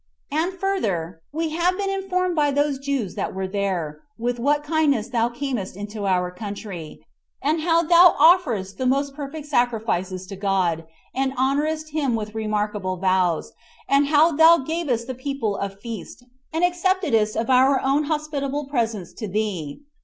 And further, we have been informed by those Jews that were there with what kindness thou camest into our country, and how thou offeredst the most perfect sacrifices to God, and honoredst him with remarkable vows, and how thou gavest the people a feast, and acceptedst of their own hospitable presents to thee.